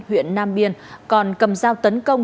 huyện nam biên còn cầm giao tấn công